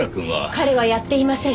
彼はやっていません。